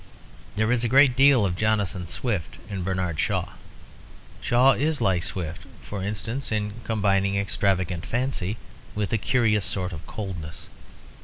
There is a great deal of Jonathan Swift in Bernard Shaw. Shaw is like Swift, for instance, in combining extravagant fancy with a curious sort of coldness.